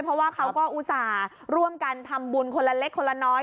เพราะว่าเขาก็อุตส่าห์ร่วมกันทำบุญคนละเล็กคนละน้อย